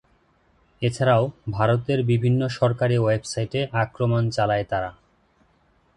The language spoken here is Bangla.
এছাড়াও ভারতের বিভিন্ন সরকারি ওয়েবসাইটে আক্রমণ চালায় তারা।